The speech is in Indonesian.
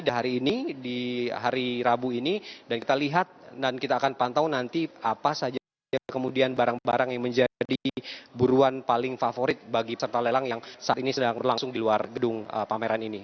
di hari rabu ini dan kita lihat dan kita akan pantau nanti apa saja kemudian barang barang yang menjadi buruan paling favorit bagi peserta lelang yang saat ini sedang berlangsung di luar gedung pameran ini